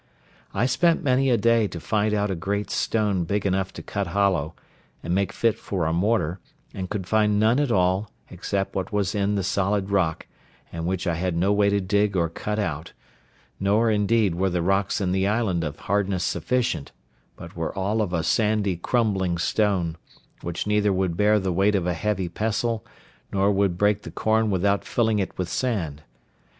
I spent many a day to find out a great stone big enough to cut hollow, and make fit for a mortar, and could find none at all, except what was in the solid rock, and which I had no way to dig or cut out; nor indeed were the rocks in the island of hardness sufficient, but were all of a sandy, crumbling stone, which neither would bear the weight of a heavy pestle, nor would break the corn without filling it with sand.